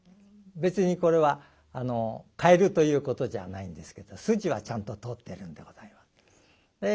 別にこれは変えるということじゃないんですけど筋はちゃんと通ってるんでございます。